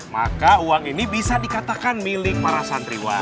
maka uang ini bisa dikatakan milik para santriwa